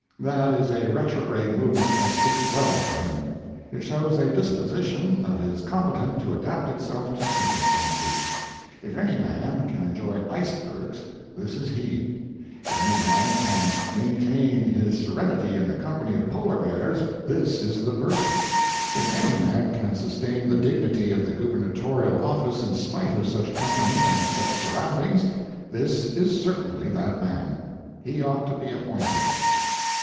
That is a retrograde movement that speaks well for him. It shows a disposition that is competent to adapt itself to circumstances. If any man can enjoy icebergs, this is he; if any man can maintain his serenity in the company of polar bears, this is the person; if any man can sustain the dignity of the Gubernatorial office in spite of such company and such surroundings, this is certainly that man. He ought to be appointed.